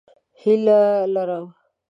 هیله لرم